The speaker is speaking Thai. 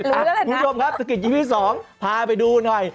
คุณผู้ชมครับสกิดยิ้มที่๒พาไปดูหน่อย